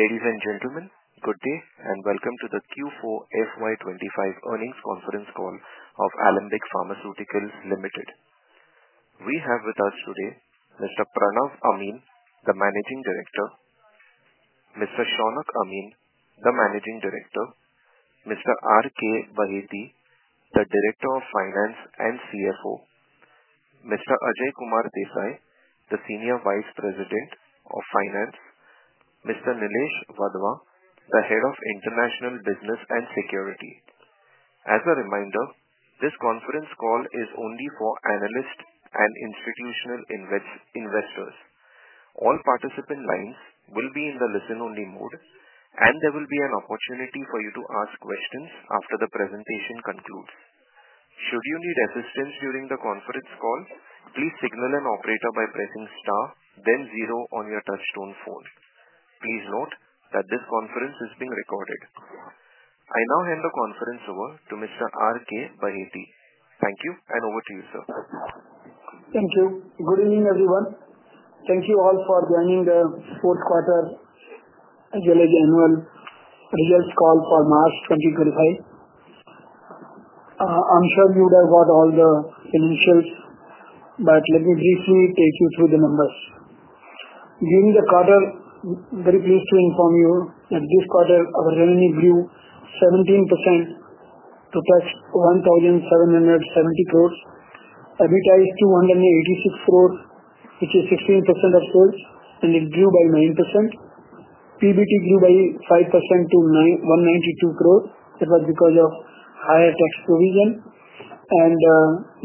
Ladies and gentlemen, good day and welcome to the Q4 FY 2025 Earnings Conference Call of Alembic Pharmaceuticals Ltd. We have with us today Mr. Pranav Amin, the Managing Director; Mr. Shaunak Amin, the Managing Director; Mr. R. K. Baheti, the Director of Finance and CFO; Mr. Ajay Kumar Desai, the Senior Vice President of Finance; Mr. Nilesh Wadhwa, the Head of International Business and Supply. As a reminder, this conference call is only for analysts and institutional investors. All participant lines will be in the listen-only mode, and there will be an opportunity for you to ask questions after the presentation concludes. Should you need assistance during the conference call, please signal an operator by pressing star, then zero on your touchstone phone. Please note that this conference is being recorded. I now hand the conference over to Mr. R. K. Baheti. Thank you, and over to you, sir. Thank you. Good evening, everyone. Thank you all for joining the fourth quarter annual results call for March 2025. I'm sure you would have got all the initials, but let me briefly take you through the numbers. During the quarter, I'm very pleased to inform you that this quarter our revenue grew 17% to 1,770 crore, EBITDA is 286 crore, which is 16% of sales, and it grew by 9%. PBT grew by 5% to 192 crore. It was because of higher tax provision, and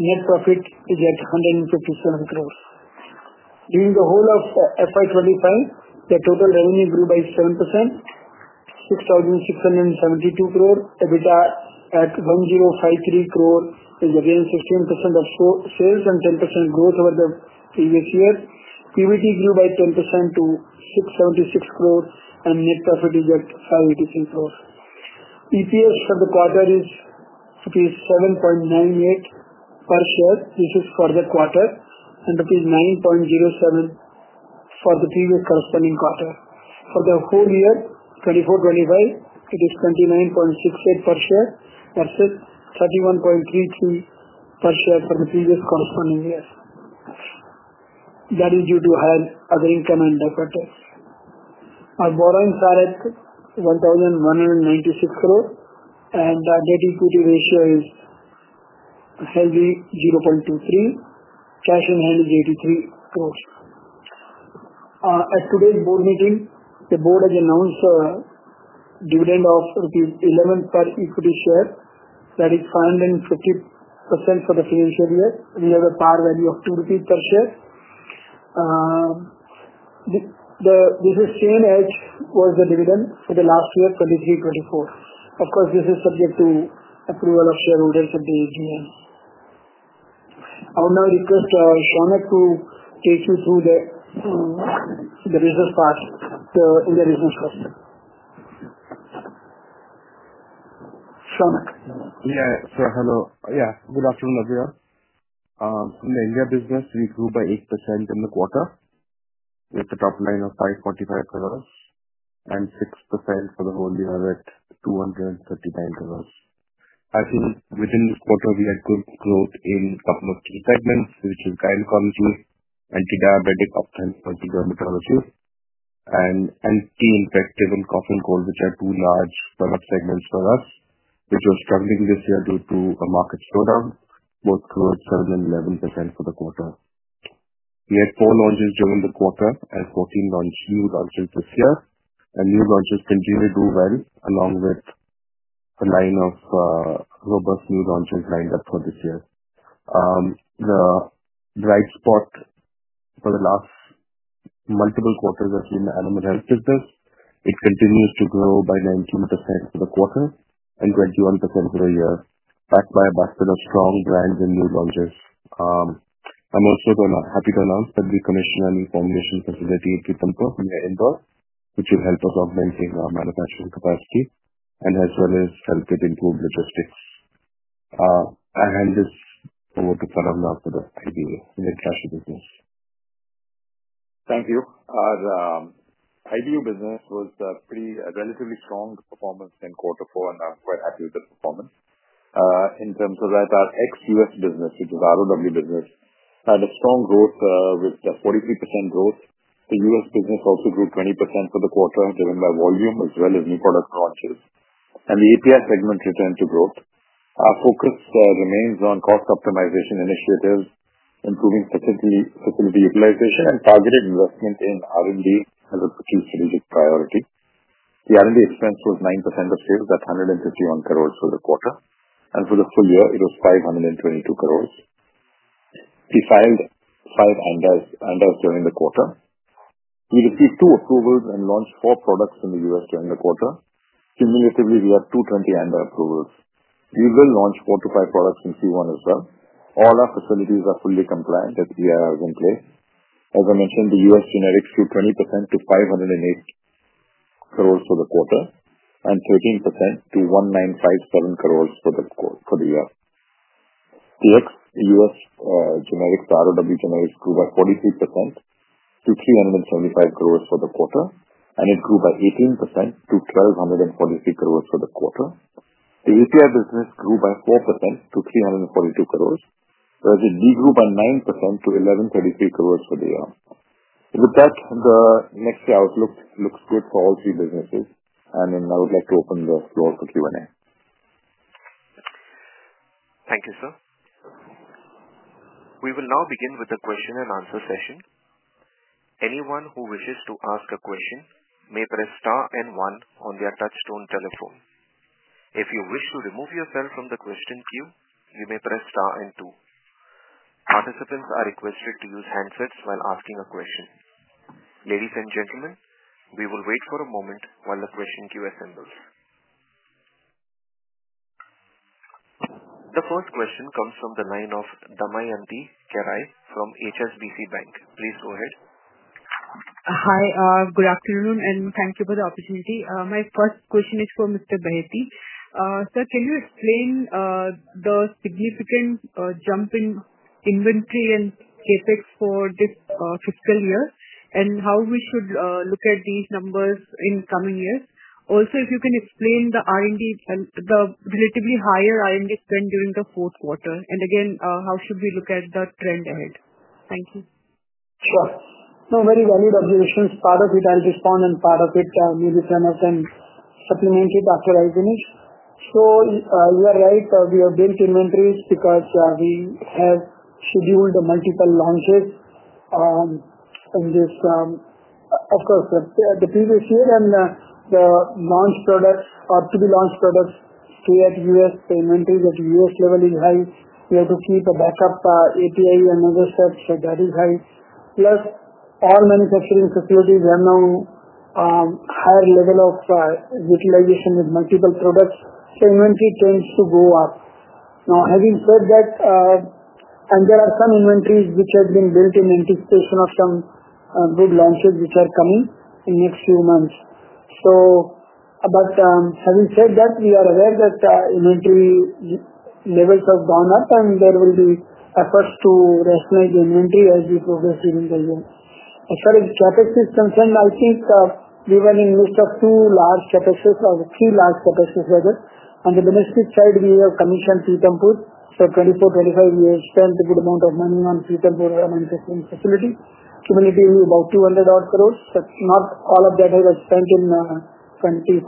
net profit is at 154 crore. During the whole of FY 2025, the total revenue grew by 7%, 6,672 crore. EBITDA at 1,053 crore is again 16% of sales and 10% growth over the previous year. PBT grew by 10% to 606 crore, and net profit is at 583 crore. EPS for the quarter is 7.98 per share. This is for the quarter, and 9.07 for the previous corresponding quarter. For the whole year, 2024-2025, it is 29.68 per share versus 31.33 per share for the previous corresponding year. That is due to higher other income and other tax. Our borrowing side at 1,196 crore, and our debt-equity ratio is heavily 0.23. Cash in hand is INR 83 crore. At today's board meeting, the board has announced dividend of 11 per equity share. That is 550% for the financial year. We have a par value of 2 per share. This is same as was the dividend for the last year, 2023-2024. Of course, this is subject to approval of shareholders at the AGM. I would now request Shaunak to take you through the business part in the business question. Shaunak. Yeah, so hello. Yeah, good afternoon, everyone. In the India business, we grew by 8% in the quarter, with a top line of 545 crore, and 6% for the whole, we are at 239 crore. I think within this quarter, we had good growth in a couple of key segments, which is gynecology, antidiabetic, ophthalmology, and dermatology, and anti-infective and cough and cold, which are two large product segments for us, which were struggling this year due to a market slowdown, both towards 7% and 11% for the quarter. We had four launches during the quarter and 14 new launches this year. New launches continue to do well, along with a line of robust new launches lined up for this year. The bright spot for the last multiple quarters has been the animal health business. It continues to grow by 19% for the quarter and 21% for the year, backed by a basket of strong brands and new launches. I'm also happy to announce that we commissioned a new formulation facility, Pithampur, near Indore, which will help us augment our manufacturing capacity and as well as help it improve logistics. I hand this over to Pranav now for the IBU, the cash business. Thank you. Our IBU business was pretty relatively strong performance in quarter four, and I'm quite happy with the performance. In terms of that, our ex-U.S. business, which is ROW business, had a strong growth with 43% growth. The U.S. business also grew 20% for the quarter, driven by volume as well as new product launches. The API segment returned to growth. Our focus remains on cost optimization initiatives, improving facility utilization, and targeted investment in R&D as a strategic priority. The R&D expense was 9% of sales, at 151 crore for the quarter. For the full year, it was 522 crore. We filed five ANDAs during the quarter. We received two approvals and launched four products in the U.S. during the quarter. Cumulatively, we have 220 ANDA approvals. We will launch four to five products in Q1 as well. All our facilities are fully compliant with ERRs in place. As I mentioned, the U.S. generics grew 20% to 508 crore for the quarter and 13% to 1,957 crore for the year. The ex-U.S. generics, the ROW generics, grew by 43% to 375 crore for the quarter, and it grew by 18% to 1,243 crore for the year. The API business grew by 4% to 342 crore, whereas it degrew by 9% to 1,133 crore for the year. With that, the next year outlook looks good for all three businesses, and then I would like to open the floor for Q&A. Thank you, sir. We will now begin with the question and answer session. Anyone who wishes to ask a question may press star and one on their touchstone telephone. If you wish to remove yourself from the question queue, you may press star and two. Participants are requested to use handsets while asking a question. Ladies and gentlemen, we will wait for a moment while the question queue assembles. The first question comes from the line of Damayanti Kerai from HSBC Bank. Please go ahead. Hi, good afternoon, and thank you for the opportunity. My first question is for Mr. Baheti. Sir, can you explain the significant jump in inventory and CapEx for this FY, and how we should look at these numbers in coming years? Also, if you can explain the relatively higher R&D spend during the fourth quarter, and again, how should we look at the trend ahead? Thank you. Sure. No, very valid observations. Part of it, I'll respond, and part of it, maybe Pranav can supplement it after I finish. You are right. We have built inventories because we have scheduled multiple launches in this. Of course, the previous year and the launch products, or to be launched products, stay at U.S. The inventory at U.S. level is high. We have to keep a backup API and other steps, so that is high. Plus, all manufacturing facilities have now a higher level of utilization with multiple products, so inventory tends to go up. Now, having said that, there are some inventories which have been built in anticipation of some good launches which are coming in the next few months. Having said that, we are aware that inventory levels have gone up, and there will be efforts to rationalize the inventory as we progress during the year. As far as CapEx is concerned, I think we were in the midst of two large CapExes, or three large CapExes rather. On the domestic side, we have commissioned Pithampur. For 2024-2025, we have spent a good amount of money on the Pithampur manufacturing facility. Cumulatively, about 200 odd crores. Not all of that has been spent in 2024-2025.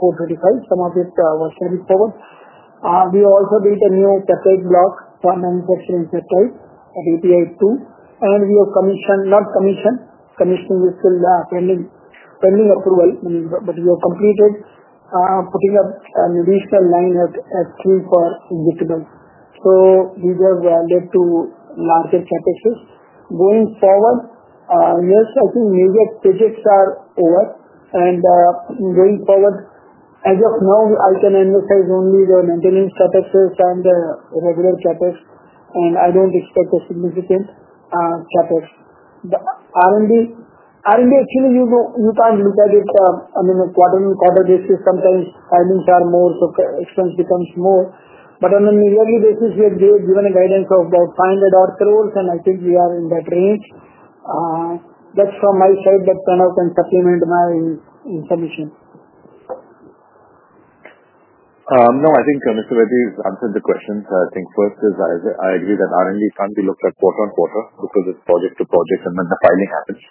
Some of it was carried forward. We also built a new CapEx block for manufacturing that type, API-II, and we have commissioned—not commissioned; commissioning is still pending approval, but we have completed putting up an additional line at 3 for injectable. These have led to larger CapExes. Going forward, I think major pivots are over. Going forward, as of now, I can emphasize only the maintenance CapExes and the regular CapEx, and I do not expect a significant CapEx. R&D, actually, you cannot look at it on a QoQ basis. Sometimes earnings are more, so expense becomes more. On a yearly basis, we have given a guidance of about INR 500 odd crore, and I think we are in that range. That is from my side, but Pranav can supplement my information. No, I think Mr. Baheti's answered the question. I think first is I agree that R&D can't be looked at QoQ because it's project to project, and then the filing happens.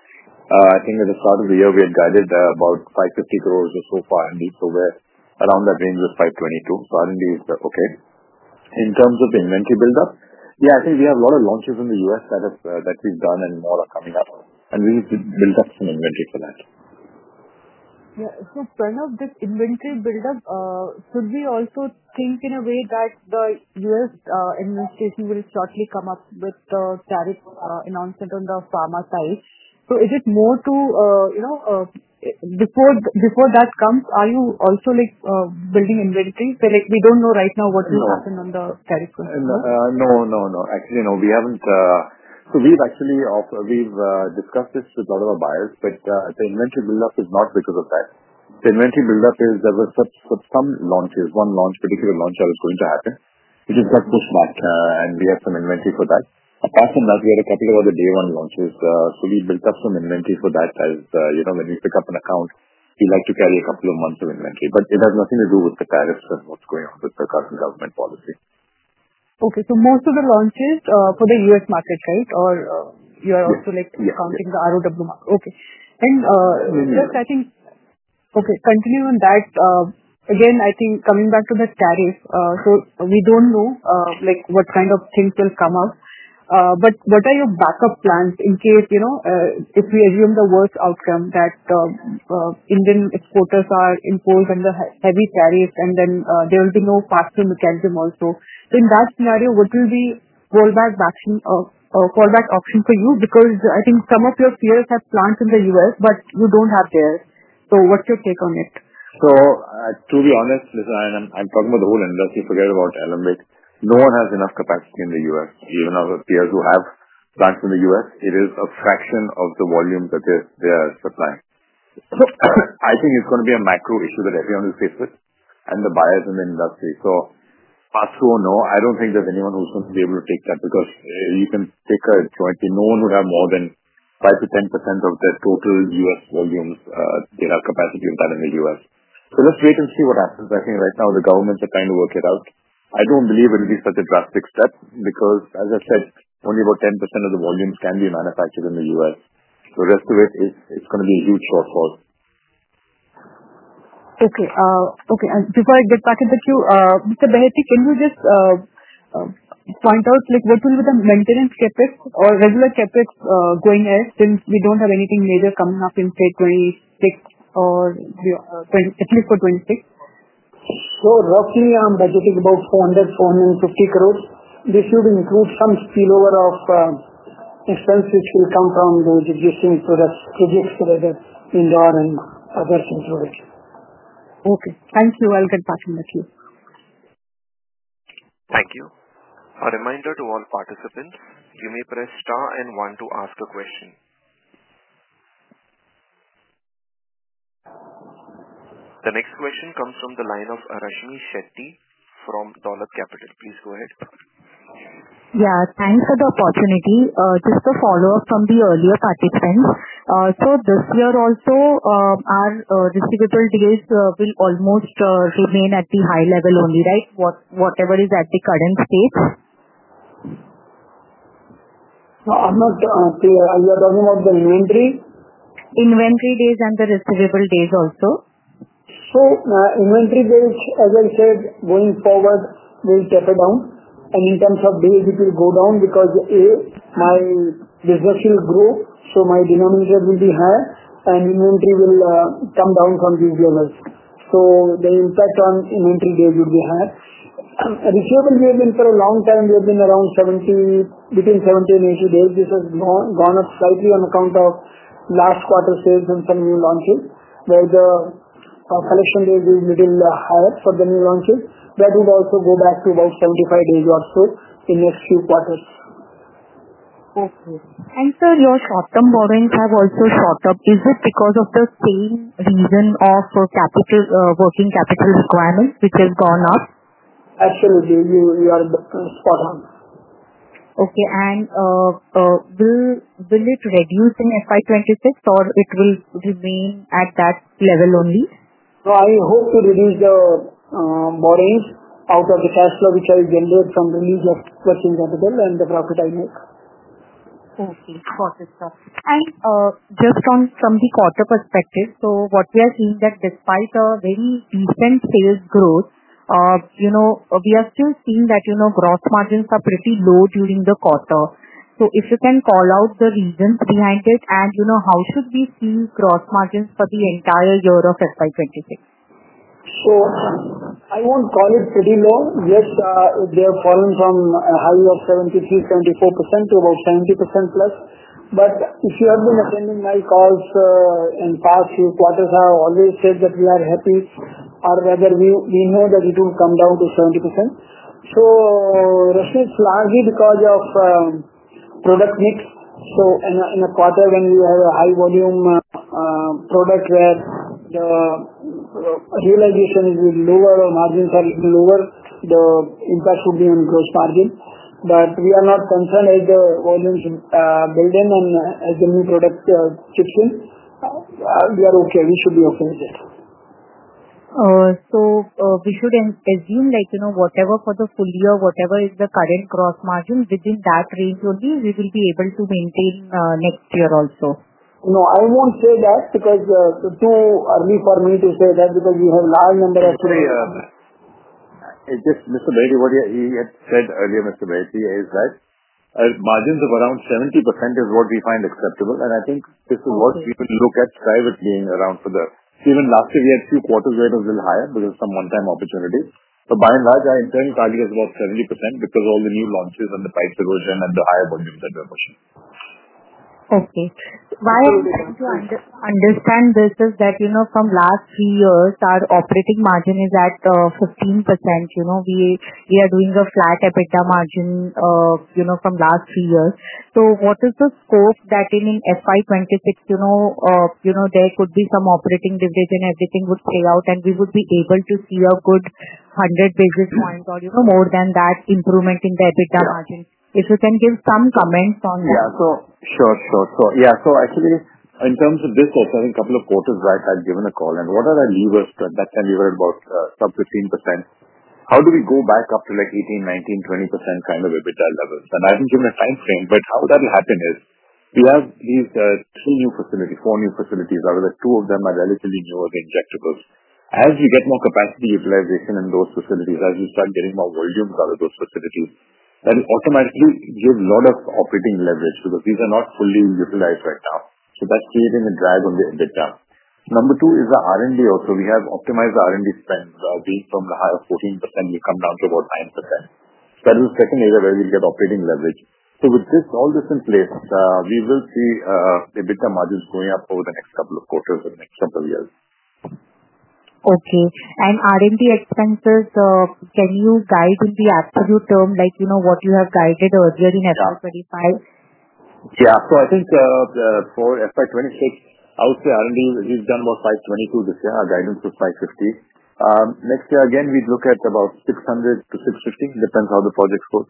I think at the start of the year, we had guided about 550 crore or so for R&D, so we're around that range of 522 crore. R&D is okay. In terms of inventory buildup, yeah, I think we have a lot of launches in the U.S. that we've done, and more are coming up. We've built up some inventory for that. Yeah. Pranav, this inventory buildup, should we also think in a way that the U.S. administration will shortly come up with the tariff announcement on the pharma side? Is it more to, before that comes, are you also building inventory? We do not know right now what will happen on the tariff. No, no, no. Actually, no. We haven't. We have actually discussed this with a lot of our buyers, but the inventory buildup is not because of that. The inventory buildup is there were some launches. One particular launch that was going to happen, which got pushed back, and we had some inventory for that. Apart from that, we had a couple of other day-one launches. We built up some inventory for that as when we pick up an account, we like to carry a couple of months of inventory. It has nothing to do with the tariffs and what is going on with the current government policy. Okay. So most of the launches for the U.S. market, right? Or you are also counting the ROW market? Okay. Just, I think, continuing on that, again, I think coming back to the tariff, we do not know what kind of things will come up. What are your backup plans in case, if we assume the worst outcome, that Indian exporters are imposed under heavy tariffs and then there will be no faster mechanism also? In that scenario, what will be the fallback option for you? Because I think some of your peers have plants in the U.S., but you do not have there. What is your take on it? To be honest, Mr. Ryan, I'm talking about the whole industry. Forget about Alembic. No one has enough capacity in the U.S. Even our peers who have plants in the U.S., it is a fraction of the volume that they are supplying. I think it's going to be a macro issue that everyone is faced with, and the buyers in the industry. Pass through or no, I don't think there's anyone who's going to be able to take that because you can take a jointly—no one would have more than 5%-10% of the total U.S. volumes. They have capacity of that in the U.S. Let's wait and see what happens. I think right now the governments are trying to work it out. I don't believe it will be such a drastic step because, as I said, only about 10% of the volumes can be manufactured in the U.S. The rest of it, it's going to be a huge shortfall. Okay. Okay. Before I get back into the queue, Mr. Baheti, can you just point out what will be the maintenance CapEx or regular CapEx going ahead since we do not have anything major coming up in, say, 2026 or at least for 2026? Roughly, I'm budgeting about 400-450 crore. This should include some spillover of expenses which will come from the existing projects, rather Indore and other things related. Okay. Thank you. I'll get back in the queue. Thank you. A reminder to all participants, you may press star and one to ask a question. The next question comes from the line of Rashmmi Shetty from Dolat Capital. Please go ahead. Yeah. Thanks for the opportunity. Just a follow-up from the earlier participants. This year also, our executable DAs will almost remain at the high level only, right? Whatever is at the current state. You are talking about the inventory? Inventory days and the executable days also. Inventory days, as I said, going forward, will taper down. In terms of days, it will go down because, A, my business will grow, so my denominator will be higher, and inventory will come down from these levels. The impact on inventory days will be higher. Executable days for a long time, they have been around between 70-80 days. This has gone up slightly on account of last quarter sales and some new launches, where the collection days will be a little higher for the new launches. That would also go back to about 75 days or so in the next few quarters. Okay. Sir, your short-term borrowings have also shortened. Is it because of the same reason of working capital requirement, which has gone up? Absolutely. You are spot on. Okay. Will it reduce in FY 2026, or will it remain at that level only? I hope to reduce the borrowings out of the cash flow which I generate from the use of working capital and the profit I make. Okay. Got it, sir. Just from the quarter perspective, what we are seeing is that despite a very decent sales growth, we are still seeing that gross margins are pretty low during the quarter. If you can call out the reasons behind it, and how should we see gross margins for the entire year of FY 2026? I will not call it pretty low. Yes, they have fallen from a high of 73%-74% to about 70%+. If you have been attending my calls in the past few quarters, I have always said that we are happy, or rather, we know that it will come down to 70%. Rashmmi, it is largely because of product mix. In a quarter when you have a high-volume product where the realization is a little lower or margins are a little lower, the impact would be on gross margin. We are not concerned as the volumes build in and as the new product chips in. We are okay. We should be okay with it. We should assume whatever for the full year, whatever is the current gross margin, within that range only, we will be able to maintain next year also. No, I won't say that because too early for me to say that because we have a large number of. Mr. Baheti, what he had said earlier, Mr. Baheti, is that margins of around 70% is what we find acceptable. I think this is what we will look at privately around for the even last year, we had a few quarters where it was a little higher because of some one-time opportunity. By and large, our internal target is about 70% because of all the new launches and the pipe erosion and the higher volumes that we are pushing. Okay. What I'm trying to understand is that from the last three years, our operating margin is at 15%. We are doing a flat EBITDA margin from the last three years. What is the scope that in FY 2026, there could be some operating dividend and everything would play out, and we would be able to see a good 100 basis points or more than that improvement in the EBITDA margin? If you can give some comments on that. Yeah. Sure, sure. Yeah. Actually, in terms of this, I think a couple of quarters, right, I have given a call. What are our levers? At that time, we were at about sub-15%. How do we go back up to 18%-19%-20% kind of EBITDA levels? I have not given a timeframe, but how that will happen is we have these three new facilities, four new facilities, out of which two of them are relatively new or the injectables. As we get more capacity utilization in those facilities, as we start getting more volumes out of those facilities, that will automatically give a lot of operating leverage because these are not fully utilized right now. That is creating a drag on the EBITDA. Number two is the R&D also. We have optimized the R&D spend. We have come from a high of 14%. We've come down to about 9%. That is the second area where we'll get operating leverage. With all this in place, we will see EBITDA margins going up over the next couple of quarters or the next couple of years. Okay. R&D expenses, can you guide in the absolute term what you have guided earlier in FY 2025? Yeah. I think for FY 2026, I would say R&D, we have done about 522 crore this year. Our guidance was 550 crore. Next year, again, we would look at about 600 crore-650 crore. Depends how the project goes.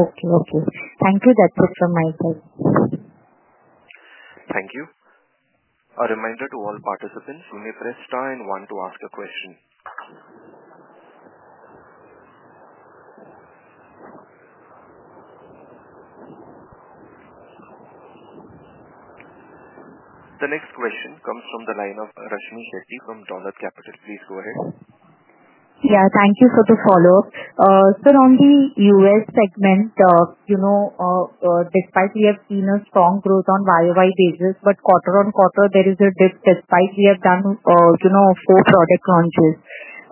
Okay. Okay. Thank you. That's it from my side. Thank you. A reminder to all participants, you may press star and one to ask a question. The next question comes from the line of Rashmmi Shetty from Dolat Capital. Please go ahead. Yeah. Thank you for the follow-up. Sir, on the U.S. segment, despite we have seen a strong growth on YoY basis, but QoQ, there is a dip despite we have done four product launches.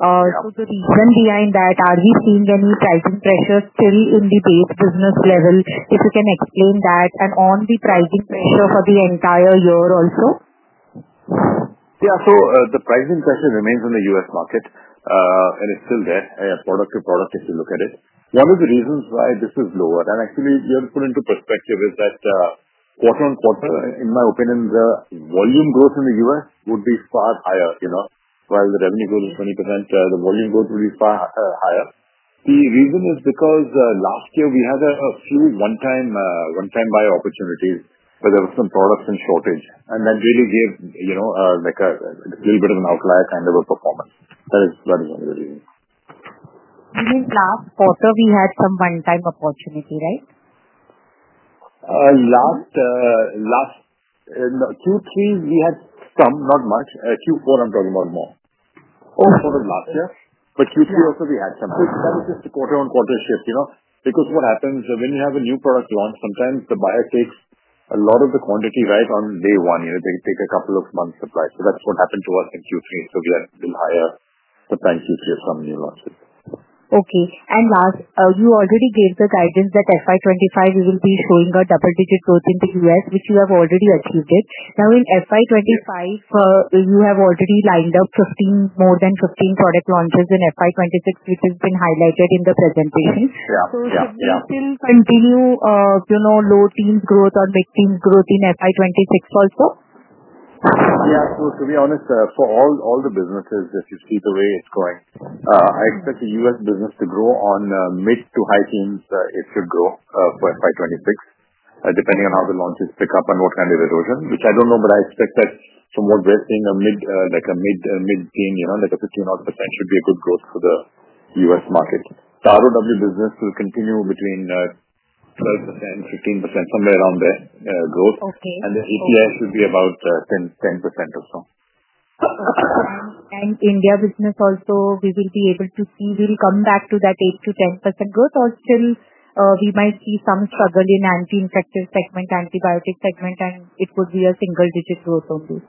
The reason behind that, are we seeing any pricing pressure still in the base business level? If you can explain that and on the pricing pressure for the entire year also. Yeah. The pricing pressure remains in the U.S. market, and it's still there, product to product if you look at it. One of the reasons why this is lower, and actually, you have to put into perspective is that QoQ, in my opinion, the volume growth in the U.S. would be far higher. While the revenue growth is 20%, the volume growth would be far higher. The reason is because last year, we had a few one-time buyer opportunities where there were some products in shortage. That really gave a little bit of an outlier kind of a performance. That is one of the reasons. You mean last quarter we had some one-time opportunity, right? Last Q3, we had some, not much. Q4, I'm talking about more. Q4 of last year. Q3 also, we had some. That was just the QoQ shift. Because what happens when you have a new product launch, sometimes the buyer takes a lot of the quantity right on day one. They take a couple of months' supply. That is what happened to us in Q3. We had a little higher sometime Q3 of some new launches. Okay. Last, you already gave the guidance that FY 2025, we will be showing a double-digit growth in the U.S., which you have already achieved. Now, in FY 2025, you have already lined up more than 15 product launches in FY 2026, which has been highlighted in the presentation. Should we still continue low teens growth or mid teens growth in FY 2026 also? Yeah. To be honest, for all the businesses, if you see the way it's going, I expect the U.S. business to grow on mid to high teens. It should grow for FY 2026, depending on how the launches pick up and what kind of erosion, which I don't know, but I expect that from what we're seeing, a mid-teen, like a 15-odd% should be a good growth for the U.S. market. The ROW business will continue between 12%-15%, somewhere around there growth. The API should be about 10% or so. India business also, we will be able to see we'll come back to that 8%-10% growth, or still we might see some struggle in anti-infective segment, antibiotic segment, and it could be a single-digit growth only.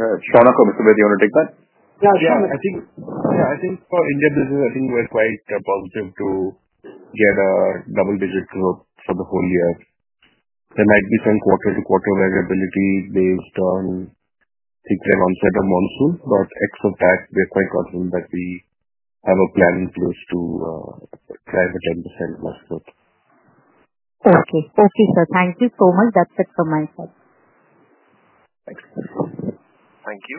Shaunak or Mr. Baheti, you want to take that? Yeah. Shaunak Amin. Yeah. I think for India business, I think we're quite positive to get a double-digit growth for the whole year. There might be some QoQ variability based on things like onset of monsoon. X of that, we're quite confident that we have a plan in place to drive a 10%+ growth. Okay. Okay, sir. Thank you so much. That's it from my side. Thanks. Thank you.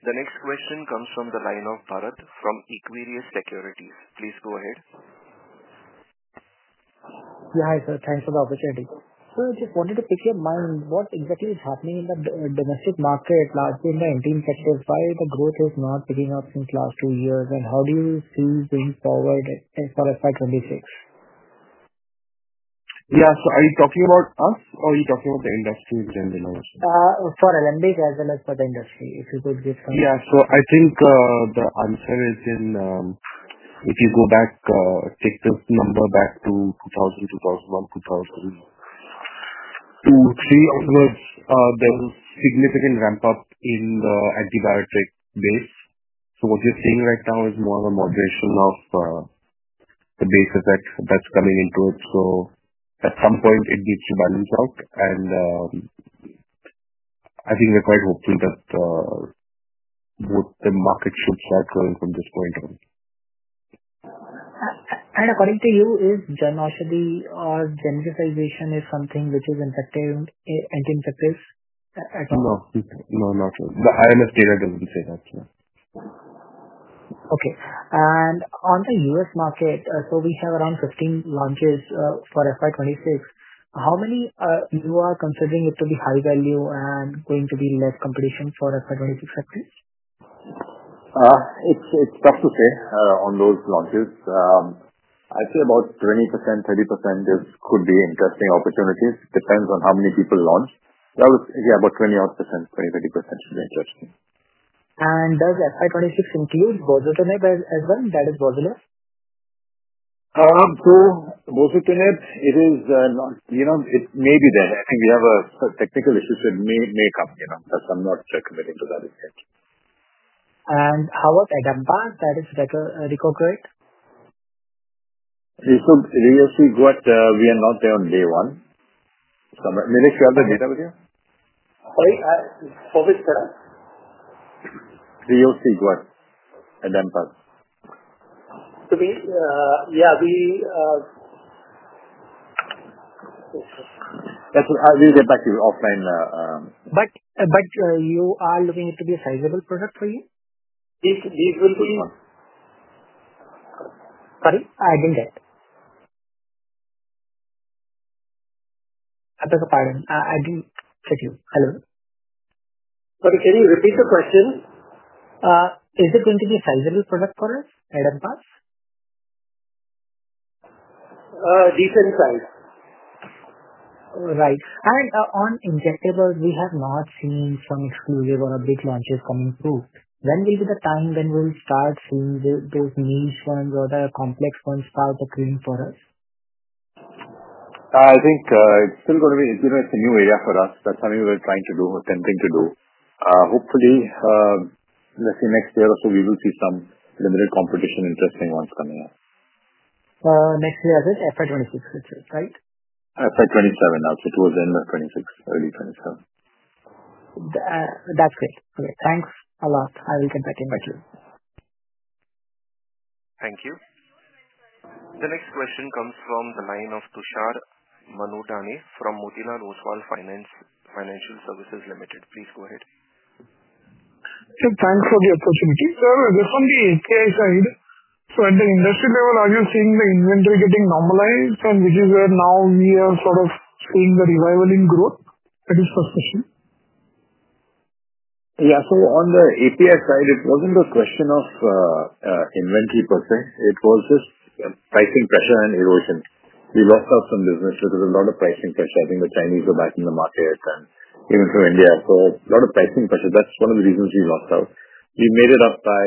The next question comes from the line of Bharat from Equirus Securities. Please go ahead. Yeah. Hi, sir. Thanks for the opportunity. I just wanted to pick your mind. What exactly is happening in the domestic market, largely in the anti-infective? Why is the growth not picking up since the last two years? How do you see it going forward for FY 2026? Yeah. Are you talking about us, or are you talking about the industry in general? For Alembic as well as for the industry, if you could give some. Yeah. I think the answer is in if you go back, take this number back to 2000, 2001, 2002, 2003, there was a significant ramp-up in the antibiotic base. What you're seeing right now is more of a moderation of the base effect that's coming into it. At some point, it needs to balance out. I think we're quite hopeful that the market should start growing from this point on. According to you, is genocide or geneticization something which is anti-infective at all? No. No, not really. The IMS data does not say that, no. Okay. On the U.S. market, we have around 15 launches for FY 2026. How many are you considering to be high value and going to be less competition for FY 2026 sectors? It's tough to say on those launches. I'd say about 20%-30% could be interesting opportunities. Depends on how many people launch. Yeah, about 20%-30% should be interesting. Does FY 2026 include bosutinib as well? That is bosutinib? Bosutinib, it is not, it may be there. I think we have technical issues that may come because I'm not committed to that yet. How about edaravone? That is riociguat? Riociguat, we are not there on day one. Nilesh, you have the data with you? For which product? Riociguat, edaravone. Yeah. We'll get back to you offline. You are looking it to be a sizable product for you? These will be. Sorry? I didn't get. I'm sorry. I didn't catch you. Hello? Sorry. Can you repeat the question? Is it going to be a sizable product for us, edaravone? Decent size. Right. On injectables, we have not seen some exclusive or big launches coming through. When will be the time when we will start seeing those niche ones or the complex ones start appearing for us? I think it's still going to be a new area for us. That's something we're trying to do or attempting to do. Hopefully, let's say next year or so, we will see some limited competition, interesting ones coming up. Next year, is it? FY 2026, right? FY 2027. I'll say towards the end of 2026, early 2027. That's great. Okay. Thanks a lot. I will get back in touch with you. Thank you. The next question comes from the line of Tushar Manudhane from Motilal Oswal Financial Services Ltd. Please go ahead. Thanks for the opportunity. Sir, this is on the API side. At the industry level, are you seeing the inventory getting normalized? Which is where now we are sort of seeing the revival in growth? That is the question. Yeah. On the API side, it was not a question of inventory per se. It was just pricing pressure and erosion. We lost out on some business because of a lot of pricing pressure. I think the Chinese are back in the market and even from India. A lot of pricing pressure. That is one of the reasons we lost out. We made it up by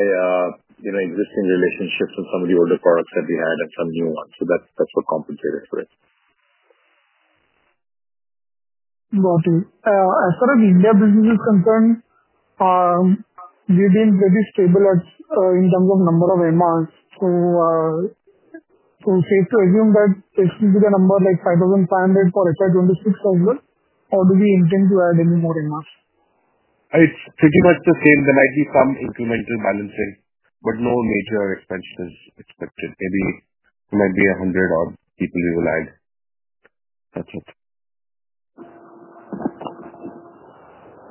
existing relationships and some of the older products that we had and some new ones. That is what compensated for it. Okay. As far as India business is concerned, we've been pretty stable in terms of number of MRs. So safe to assume that this will be the number like 5,500 for FY 2026 as well? Or do we intend to add any more MRs? It's pretty much the same. There might be some incremental balancing, but no major expansion is expected. Maybe it might be 100 odd people we will add. That's it.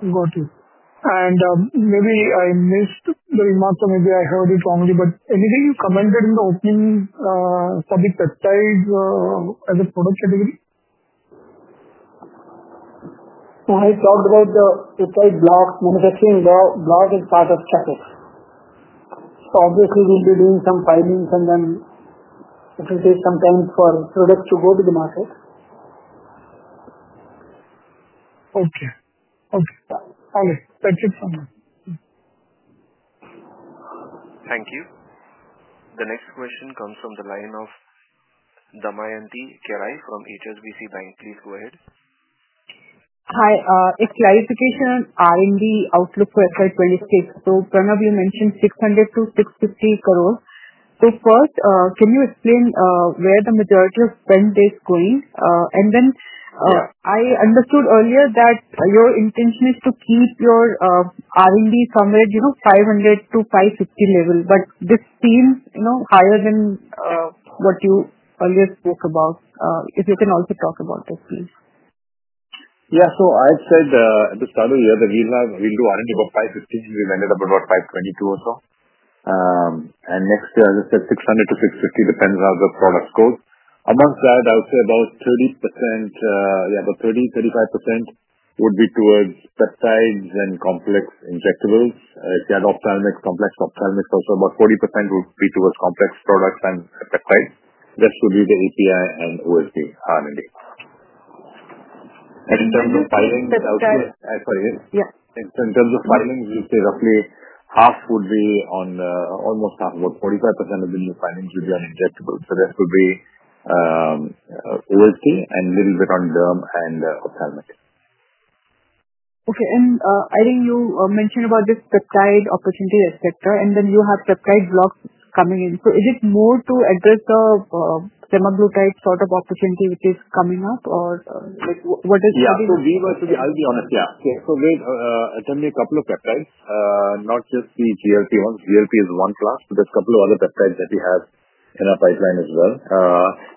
Got it. Maybe I missed the remark, or maybe I heard it wrongly, but anything you commented in the opening for the peptides as a product category? When I talked about the peptide blocks, manufacturing blocks is part of CHoTox. So obviously, we'll be doing some pilings, and then it will take some time for products to go to the market. Okay. Okay. All right. Thank you so much. Thank you. The next question comes from the line of Damayanti Kerai from HSBC Bank. Please go ahead. Hi. A clarification on R&D outlook for FY 2026. Pranav, you mentioned 600-650 crore. First, can you explain where the majority of spend is going? I understood earlier that your intention is to keep your R&D somewhere at the INR 500-550 crore level. This seems higher than what you earlier spoke about. If you can also talk about this, please. Yeah. I'd say at the start of the year, we'll do R&D about 550. We've ended up at about 522 or so. Next year, as I said, 600-650. Depends on how the products go. Amongst that, I would say about 30%, yeah, about 30%-35% would be towards peptides and complex injectables. If you add ophthalmics, complex ophthalmics, also about 40% would be towards complex products and peptides. That would be the API and OSD R&D. In terms of pilings, I would say. That's it. Sorry. Yeah. In terms of filings, we'll say roughly half would be on, almost half, about 45% of the new filings would be on injectables. So that would be OSD and a little bit on derm and ophthalmic. Okay. I think you mentioned about this peptide opportunity etc. And then you have peptide blocks coming in. Is it more to address the semaglutide sort of opportunity which is coming up, or what is? Yeah. So we've actually—I'll be honest. Yeah. We're attempting a couple of peptides, not just the GLP-1s. GLP is one class, but there's a couple of other peptides that we have in our pipeline as well.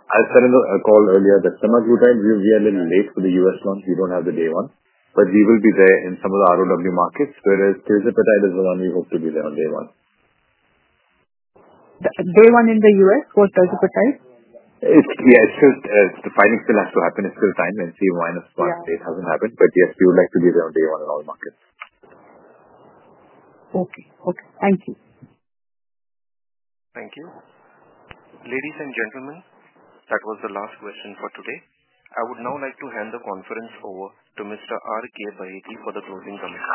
I said in the call earlier that semaglutide, we'll be a little late for the U.S. launch. We don't have the Day One. We will be there in some of the ROW markets, whereas tirzepatide is the one we hope to be there on Day One. Day One in the U.S. for tirzepatide? Yeah. It's just the piling still has to happen. It's still time. Let's see why and why it hasn't happened. Yes, we would like to be there on Day One in all markets. Okay. Okay. Thank you. Thank you. Ladies and gentlemen, that was the last question for today. I would now like to hand the conference over to Mr. R. K. Baheti for the closing comments.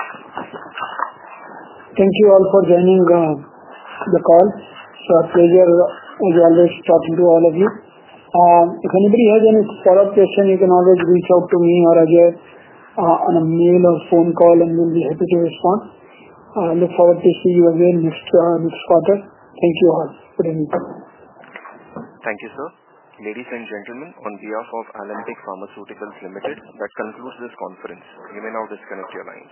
Thank you all for joining the call. It's a pleasure as always talking to all of you. If anybody has any follow-up question, you can always reach out to me or Ajay on a mail or phone call, and we'll be happy to respond. I look forward to seeing you again next quarter. Thank you all for joining the call. Thank you, sir. Ladies and gentlemen, on behalf of Alembic Pharmaceuticals Ltd, that concludes this conference. You may now disconnect your lines.